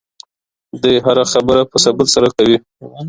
دی هره خبره په ثبوت سره کوي.